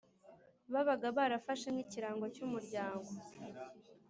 babaga barafashe nkikirango cyumuryango